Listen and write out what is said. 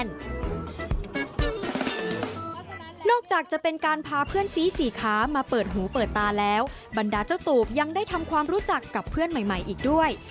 นอกจากจะเป็นการพาเพื่อนซีสี่ขามาเปิดหูเปิดตาแล้วบรรดาเจ้าตูบยังได้ทำความรู้จักกับเพื่อนใหม่อีกด้วย